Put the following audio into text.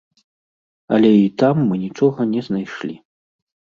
Але і там мы нічога не знайшлі.